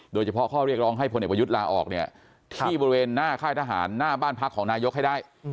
โดยเฉพาะข้อเรียกร้องให้พลเอกประยุทธ์ลาออกเนี่ยที่บริเวณหน้าค่ายทหารหน้าบ้านพักของนายกให้ได้